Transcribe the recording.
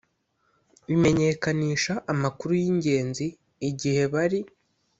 Imenyekanisha amakuru y ingenzi igihe bari